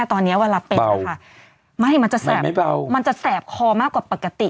ตอนนี้วันละเป็นค่ะไม่มันจะแสบคอมากกว่าปกติ